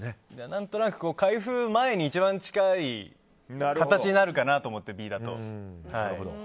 何となく開封前に一番近い形になるかなと、Ｂだと。